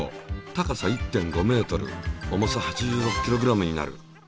高さ１．５ｍ重さ８６ｋｇになる。